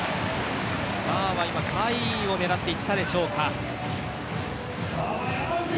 マーは今甲斐を狙っていたでしょうか。